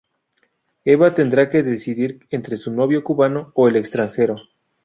Eva tendrá que decidir entre su novio cubano o el extranjero.